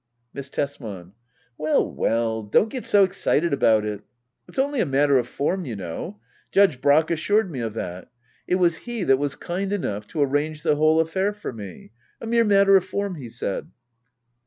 Miss Tesman. Well well— don't get so excited about it. It's only a matter of form you know — ^Judge Brack assured me of that. It was he that was kind enough to arrange the whole affair for me. A mere matter of form, he said.